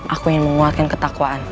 aku ingin menguatkan ketakwaan